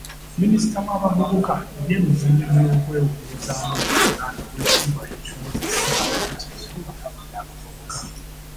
Minisita w'abavubuka, ebyemizannyo n'okwewumumuza mu Buganda, Owekitiibwa Henry Moses Sekabembe kiberu, alabudde abavubuka